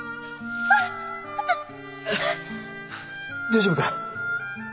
大丈夫か？